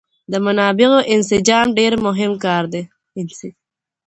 د منابعو انسجام ډېر مهم کار دی.